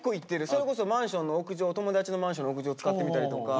それこそマンションの屋上友達のマンションの屋上使ってみたりとか。